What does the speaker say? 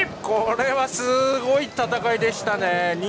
これはすごい戦いでしたね。